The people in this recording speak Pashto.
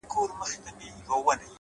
پرمختګ د کوچنیو بدلونونو ټولګه ده.!